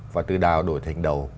và từ đào đổi thành đầu